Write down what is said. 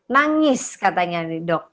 nangis katanya nih dok